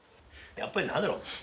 やっぱり何だろう